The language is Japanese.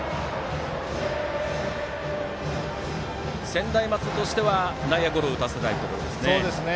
専大松戸としては内野ゴロを打たせたいところ。